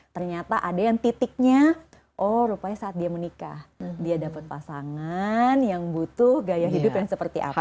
ternyata ada yang titiknya oh rupanya saat dia menikah dia dapat pasangan yang butuh gaya hidup yang seperti apa